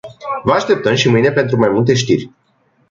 Vă așteptăm și mâine pentru mai multe știri.